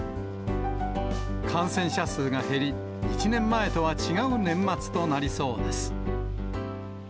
感染者数が減り、１年前とは違う年末となりそうです。